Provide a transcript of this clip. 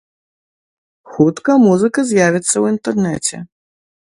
Хутка музыка з'явіцца ў інтэрнэце.